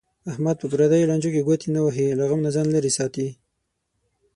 احمد په پردیو لانجو کې ګوتې نه وهي. له غم نه ځان لرې ساتي.